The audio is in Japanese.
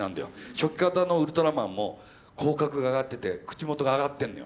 初期型のウルトラマンも口角が上がってて口元が上がってんのよ。